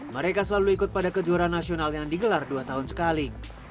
mereka selalu ikut pada kejuaraan nasional yang digelar dua tahun sekali